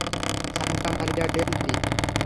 Santa Maria del P.